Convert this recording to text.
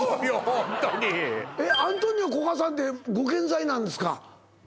ホントにえっアントニオ古賀さんってご健在なんですか？